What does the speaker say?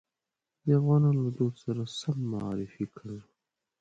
د افغانانو له دود سره سم معرفي کړ.